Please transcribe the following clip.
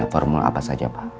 formula apa saja pak